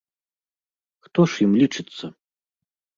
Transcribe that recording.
Хто ж ім лічыцца?